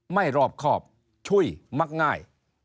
ไม่รอบครอบช่วยมักง่าย